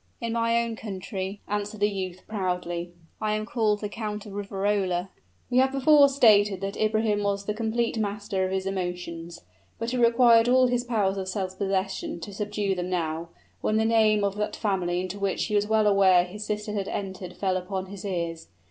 "In my own country," answered the youth, proudly, "I am called the Count of Riverola." We have before stated that Ibrahim was the complete master of his emotions: but it required all his powers of self possession to subdue them now, when the name of that family into which he was well aware his sister had entered fell upon his ears.